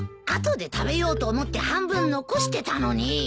後で食べようと思って半分残してたのに。